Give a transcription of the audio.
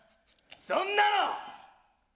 そんなの！